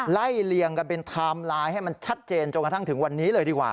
เลี่ยงกันเป็นไทม์ไลน์ให้มันชัดเจนจนกระทั่งถึงวันนี้เลยดีกว่า